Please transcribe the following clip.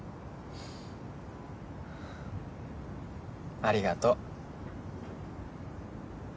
ありがとう。